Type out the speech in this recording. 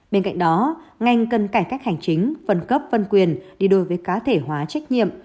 bên cạnh đó ngành cần cải cách hành chính phân cấp phân quyền đi đôi với cá thể hóa trách nhiệm